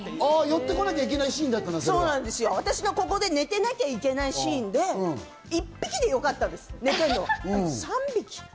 寄って来なきゃいけないシー私のここで寝てなきゃいけないシーンで１匹でよかったんですけど３匹。